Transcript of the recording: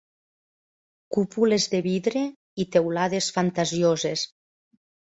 Cúpules de vidre i teulades fantasioses